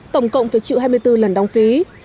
tổng cộng phải chịu hai mươi bốn lần đóng phí